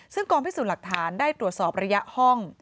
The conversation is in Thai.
ซึ่งกองพิสูจน์หลักฐานได้ตรวจสอบระยะห้อง